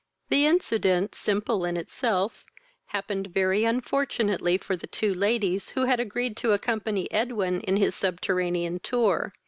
This incident, simple in itself, happened very unfortunately for the two ladies, who had agreed to accompany Edwin in his subterranean tour.